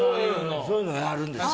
そういうの、あるんですよ。